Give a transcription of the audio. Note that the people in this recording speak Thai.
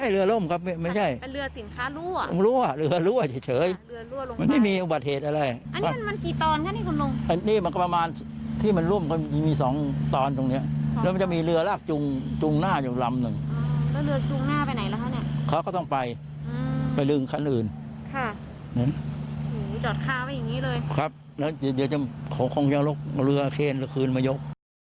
เรือเคลื่อนคืนมายก